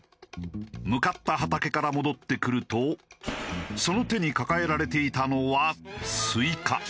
向かった畑から戻ってくるとその手に抱えられていたのはスイカ。